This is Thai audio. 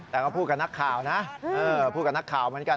แต่ก็พูดกับนักข่าวนะพูดกับนักข่าวเหมือนกัน